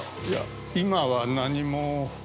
いや今は何も。